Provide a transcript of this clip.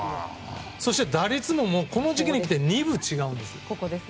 そして打率もこの時期にきて２分違うんです。